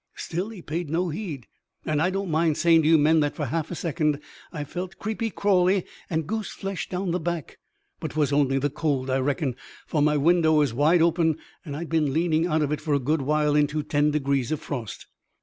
Still he paid no heed; and I don't mind saying to you men that, for half a second, I felt creepy crawly and goose flesh down the back. But 'twas only the cold, I reckon, for my window was wide open, and I'd been leaning out of it for a good while into ten degrees of frost.